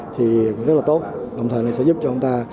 thì rất là tốt đồng thời này sẽ giúp cho chúng ta